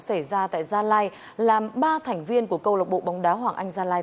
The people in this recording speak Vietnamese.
xảy ra tại gia lai làm ba thành viên của câu lộc bộ bóng đá hoàng anh gia lai